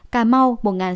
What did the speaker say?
cà mau một sáu trăm linh